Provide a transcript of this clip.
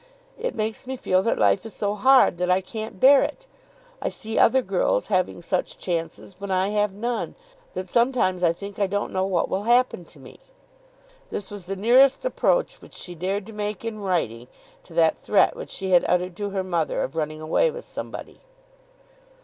It makes me feel that life is so hard that I can't bear it. I see other girls having such chances when I have none, that sometimes I think I don't know what will happen to me. This was the nearest approach which she dared to make in writing to that threat which she had uttered to her mother of running away with somebody.